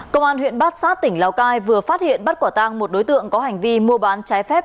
công an huyện bát sát tỉnh lào cai vừa phát hiện bắt quả tang một đối tượng có hành vi mua bán trái phép